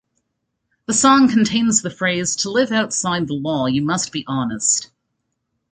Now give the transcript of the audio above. The song contains the phrase "To live outside the law you must be honest".